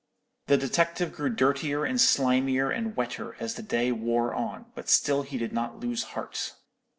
"The detective grew dirtier and slimier and wetter as the day wore on; but still he did not lose heart.